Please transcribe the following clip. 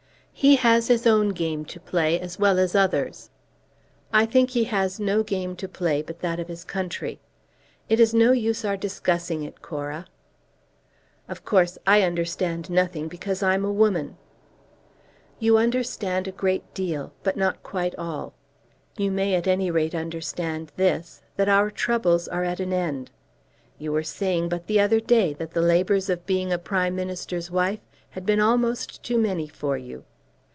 "He has his own game to play as well as others." "I think he has no game to play but that of his country. It is no use our discussing it, Cora." "Of course I understand nothing, because I'm a woman." "You understand a great deal, but not quite all. You may at any rate understand this, that our troubles are at an end. You were saying but the other day that the labours of being a Prime Minister's wife had been almost too many for you."